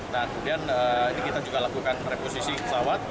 nah kemudian ini kita juga lakukan reposisi pesawat